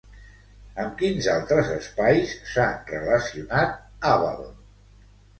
Amb quins altres espais s'ha relacionat Avalon?